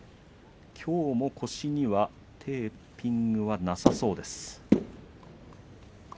きょうも腰にはテーピングはなさそうです。